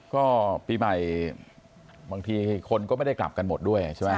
ก็ปีใหม่บางทีคนก็ไม่ได้กลับกันหมดด้วยใช่ไหม